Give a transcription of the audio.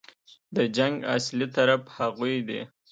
د جنګ اصلي طرف هغوی دي.